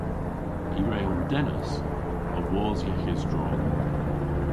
I re omdennas awos yeghes drog.